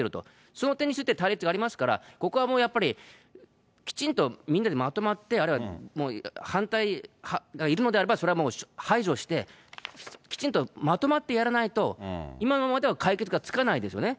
その点について対立がありますから、ここはもうやっぱり、きちんとみんなでまとまって、あるいはもう反対派がいるのであれば、それはもう排除して、きちんとまとまってやらないと、今のままでは解決がつかないですよね。